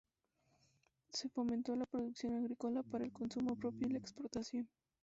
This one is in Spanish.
Se fomentó la producción agrícola para el consumo propio y la exportación.